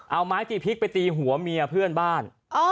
เอาไม้ตีพริกไปตีหัวเมียเพื่อนบ้าน